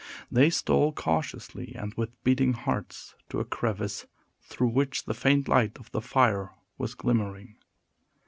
They stole cautiously, and with beating hearts, to a crevice, through which the faint light of the fire was glimmering.